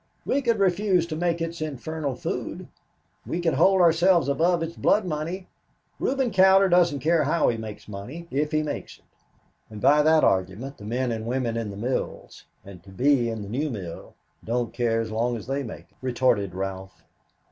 "We could refuse to make its infernal food. We could hold ourselves above its blood money. Reuben Cowder doesn't care how he makes money if he makes it." "And by that argument the men and women in the mills and to be in the new mill don't care as long as they make it," retorted Ralph.